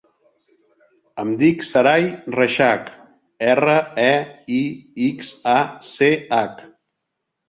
Em dic Saray Reixach: erra, e, i, ics, a, ce, hac.